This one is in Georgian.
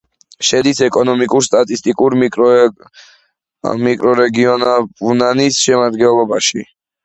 შედის ეკონომიკურ-სტატისტიკურ მიკრორეგიონ არიპუანანის შემადგენლობაში.